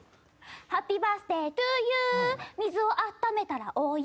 ハッピーバースデートゥーユー水を温めたらお湯！